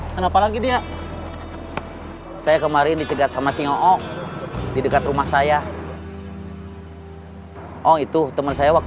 sampai jumpa di video selanjutnya